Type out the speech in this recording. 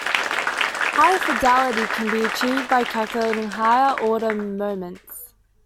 Higher fidelity can be achieved by calculating higher order moments.